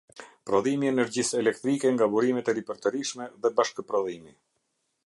Prodhimi i energjisë elektrike nga burimet e ripërtërishme dhe bashkëprodhimi.